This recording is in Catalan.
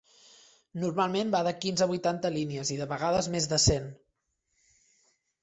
Normalment va de quinze a vuitanta línies i, de vegades, més de cent.